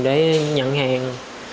để nhận hàng